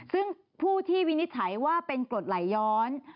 ซึ่งผู้ที่วินิจฉัยว่าเป็นกรดไหลย้อน